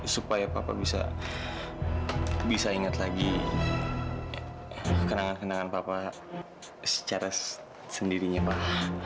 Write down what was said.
supaya papa bisa ingat lagi kenangan kenangan papa secara sendirinya pak